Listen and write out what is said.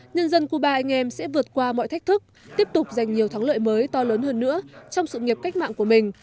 nhân dân cuba anh em sẽ vượt qua mọi thách thức tiếp tục giành nhiều thắng lợi mới to lớn hơn nữa trong sự nghiệp cách mạng của mình